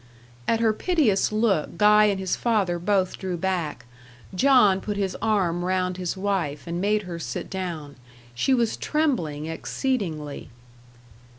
At her piteous look Guy and his father both drew back. John put his arm round his wife, and made her sit down. She was trembling exceedingly.